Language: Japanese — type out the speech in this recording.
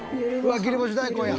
わあ切り干し大根や。